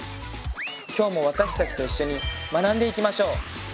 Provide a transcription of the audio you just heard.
今日も私たちと一緒に学んでいきましょう！